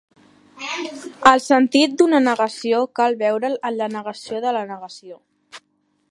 El sentit d'una negació cal veure'l en la negació de la negació.